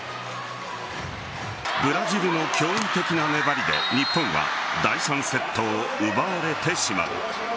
ブラジルの驚異的な粘りで日本は第３セットを奪われてしまう。